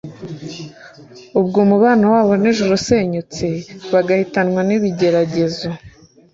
ubwo umubano wabo nijuru usenyutse bagahitanwa nibigeragezo